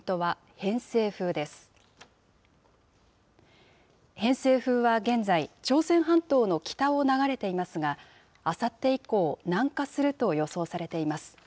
偏西風は現在、朝鮮半島の北を流れていますが、あさって以降、南下すると予想されています。